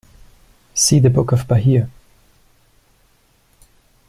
See The Book of Bahir.